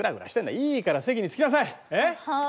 いいから席につきなさい！